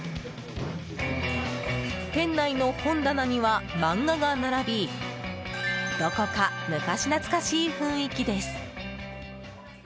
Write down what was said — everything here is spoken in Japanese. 店内の本棚には漫画が並びどこか昔懐かしい雰囲気です。